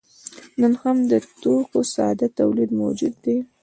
نن هم د توکو ساده تولید موجود دی.